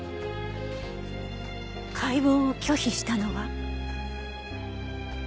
解剖を拒否したのは？